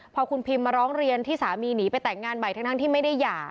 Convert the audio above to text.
พอคุณพิมมาร้องเรียนที่สามีหนีไปแต่งงานใหม่ทั้งที่ไม่ได้หย่า